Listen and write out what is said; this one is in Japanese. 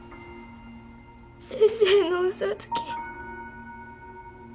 先生の嘘つき。